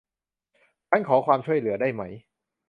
ฉันขอความช่วยเหลือได้ไหม